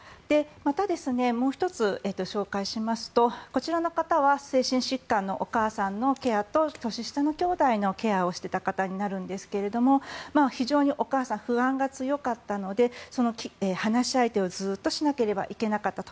また、もう１つ紹介しますとこちらの方は精神疾患のお母さんのケアと年下のきょうだいのケアをしていた方になるんですが非常にお母さん不安が強かったのでその話し相手をずっとしなければいけなかったと。